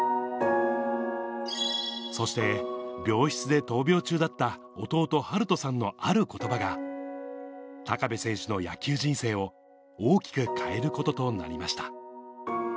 そして病室で闘病中だった弟、晴斗さんのあることばが、高部選手の野球人生を大きく変えることとなりました。